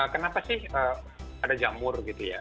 kenapa sih ada jamur gitu ya